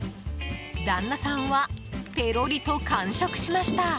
旦那さんはペロリと完食しました。